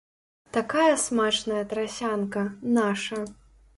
Такая смачная трасянка, наша!